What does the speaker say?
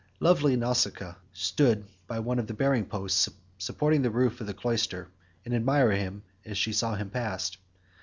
Lovely Nausicaa stood by one of the bearing posts supporting the roof of the cloister, and admired him as she saw him pass.